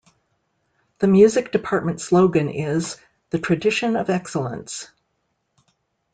The music department slogan is, "The Tradition of Excellence".